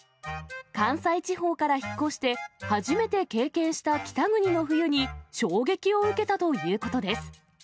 関西地方から引っ越して、初めて経験した北国の冬に衝撃を受けたということです。